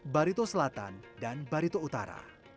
barito selatan dan barito utara